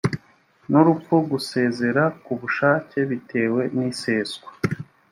n urupfu gusezera kubushake bitewe n iseswa